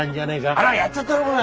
あらやっちゃったのこれ！